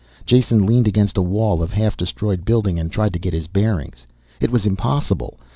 Jason leaned against a wall of a half destroyed building and tried to get his bearings. It was impossible.